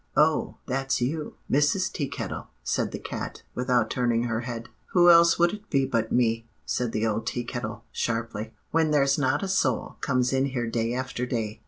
"'Oh! that's you, Mrs. Tea Kettle,' said the cat, without turning her head. "'Who else would it be but me?' said the old Tea Kettle sharply; 'when there's not a soul comes in here day after day.